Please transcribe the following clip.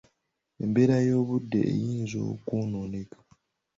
Embeera y’obudde eyinza okwonooneka.